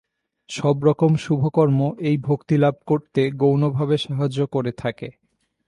সব রকম শুভকর্ম এই ভক্তিলাভ করতে গৌণভাবে সাহায্য করে থাকে।